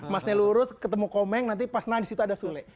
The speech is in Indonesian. masnya lurus ketemu komeng nanti pas nah disitu ada sule